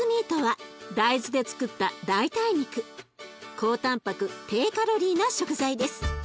高たんぱく低カロリーな食材です。